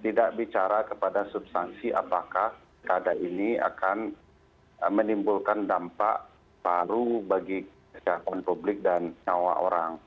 tidak bicara kepada substansi apakah keadaan ini akan menimbulkan dampak baru bagi kesehatan publik dan nyawa orang